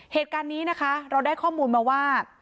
เหตุการณ์นี้นะคะเราได้ข้อมูลมาว่า